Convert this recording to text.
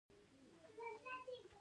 زه خپل وخت بې ځایه نه ضایع کوم.